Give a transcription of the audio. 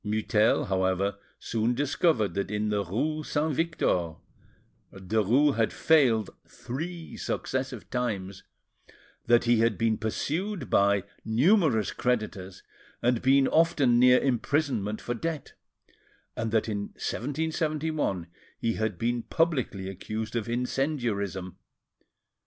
Mutel, however, soon discovered that in the rue Saint Victor, Derues had failed—three successive times, that he had been pursued by numerous creditors, and been often near imprisonment for debt, and that in 1771 he had been publicly accused of incendiarism.